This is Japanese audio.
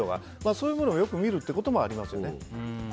そういうのもよく見るっていうのもありますよね。